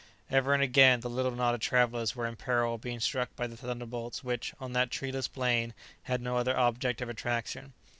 Ever and again the little knot of travellers were in peril of being struck by the thunderbolts which, on that treeless plain, had no other object of attraction.